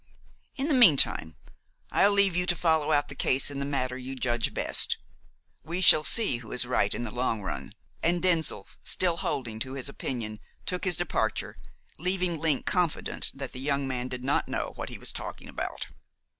In the meantime, I'll leave you to follow out the case in the manner you judge best. We shall see who is right in the long run," and Denzil, still holding to his opinion, took his departure, leaving Link confident that the young man did not know what he was talking about.